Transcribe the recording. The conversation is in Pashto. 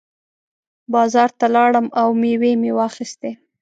بازار ته لاړم او مېوې مې واخېستې.